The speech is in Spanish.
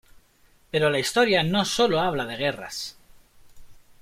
Pero la historia no sólo habla de guerras.